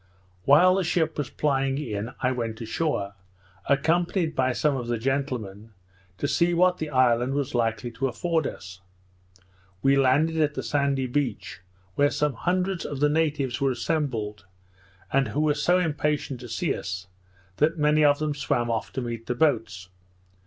While the ship was plying in, I went ashore, accompanied by some of the gentlemen, to see what the island was likely to afford us. We landed at the sandy beach, where some hundreds of the natives were assembled, and who were so impatient to see us, that many of them swam off to meet the boats.